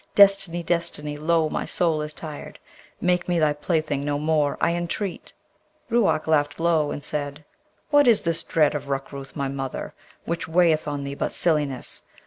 Destiny! Destiny! lo, my soul is tired, Make me thy plaything no more, I entreat! Ruark laughed low, and said, 'What is this dread of Rukrooth my mother which weigheth on thee but silliness!